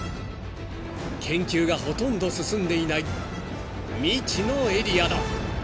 ［研究がほとんど進んでいない未知のエリアだ］